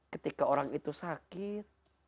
ketika orang itu sakit